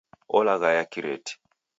Olaghaya kireti